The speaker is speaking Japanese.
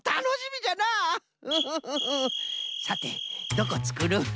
さてどこつくる？